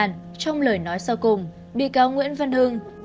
trong lời nói sau cùng bị cáo nguyễn văn hưng